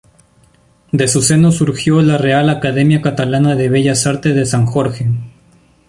De su seno surgió la Real Academia Catalana de Bellas Artes de San Jorge.